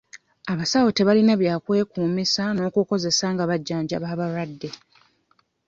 Abasawo tebalina bya kwekumisa n'okukozesa nga bajjanjaba abalwadde.